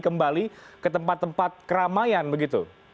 kembali ke tempat tempat keramaian begitu